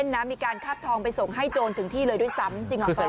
นะมีการคาดทองไปส่งให้โจรถึงที่เลยด้วยซ้ำจริงออกไป